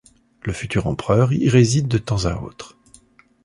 Le futur empereur y réside de temps à autre.